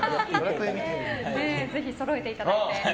ぜひそろえていただいて。